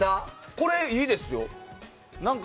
これいいですよ。